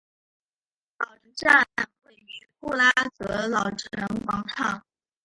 老城站位于布拉格老城广场。